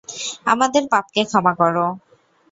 আমাদের পাপকে ক্ষমা করো!